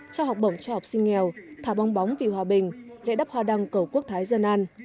trao học bổng cho học sinh nghèo thả bong bóng vì hòa bình lễ đắp hòa đăng cầu quốc thái dân an